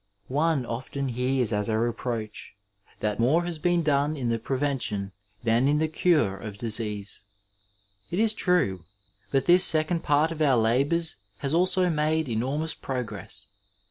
One often hears as a reproach that more has been done in the prevention than in the cure of disease. It is true ; but this second part of our labours has also made enormous progress.